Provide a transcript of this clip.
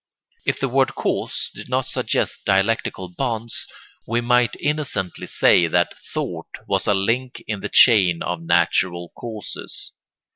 If the word cause did not suggest dialectical bonds we might innocently say that thought was a link in the chain of natural causes.